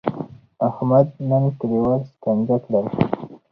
احمد نن کلیوال سکنجه کړل.